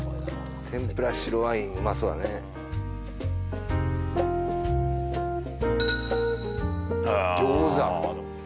天ぷら白ワインうまそうだね餃子！？